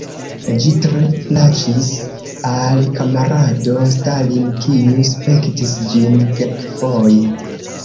Ĝi tre plaĉis al kamarado Stalin, kiu spektis ĝin kelkfoje.